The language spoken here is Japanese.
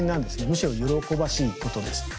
むしろ喜ばしいことです。